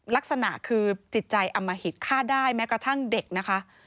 ลักษณะคือจิตใจอมหิตฆ่าได้แม้กระทั่งเด็กนะคะ